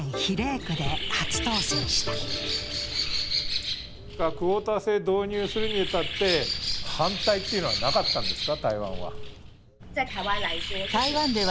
クオータ制を導入するに至って反対というのはなかったんですか？